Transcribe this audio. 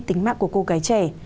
tính mạng của cô gái trẻ